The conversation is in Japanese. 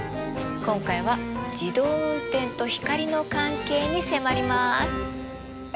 今回は自動運転と光の関係に迫ります！